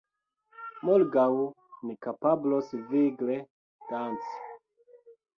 Morgaŭ ni kapablos vigle danci